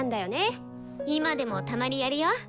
今でもたまにやるよ。